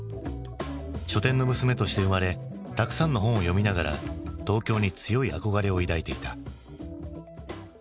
書店の娘として生まれたくさんの本を読みながら東京に強い憧れを抱いていた。